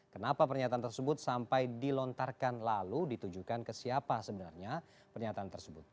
kenapa pernyataan tersebut sampai dilontarkan lalu ditujukan ke siapa sebenarnya pernyataan tersebut